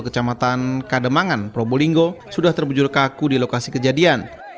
kecamatan kademangan probolinggo sudah terbujur kaku di lokasi kejadian